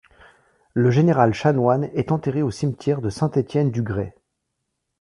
Le général Chanoine est enterré au cimetière de Saint-Étienne-du-Grès.